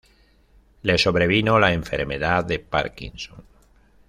Le sobrevino la enfermedad de Parkinson.